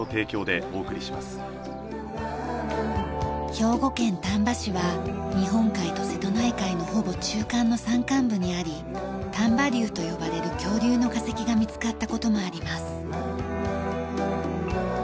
兵庫県丹波市は日本海と瀬戸内海のほぼ中間の山間部にあり丹波竜と呼ばれる恐竜の化石が見つかった事もあります。